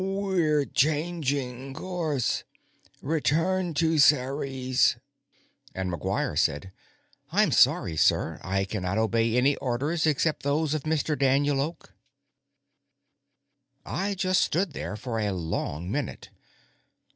"We're changing course. Return to Ceres." And McGuire said: "I'm sorry, sir; I cannot obey any orders except those of Mr. Daniel Oak." I just stood there for a long minute.